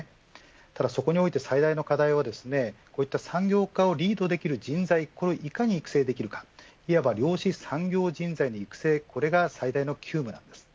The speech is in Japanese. ただ、そこにおいて最大の課題はこういった産業化をリードできる人材、これをいかに育成できるかいわゆる量子産業人材の育成これが最大の急務です。